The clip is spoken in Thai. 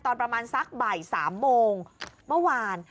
ตอนประมาณสักบ่าย๓โมงเมื่อวาน